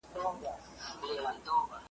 په غوسه ورته وړوکی لوی حیوان وو .